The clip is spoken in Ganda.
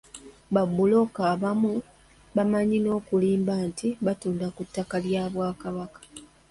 Ba bbulooka abamu bamanyi n'okulimba nti batunda ku ttaka lya Bwakabaka.